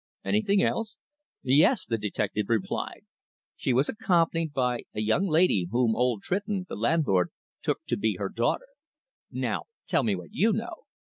"Anything else?" "Yes," the detective replied. "She was accompanied by a young lady, whom old Tritton, the landlord, took to be her daughter. Now, tell me what you know."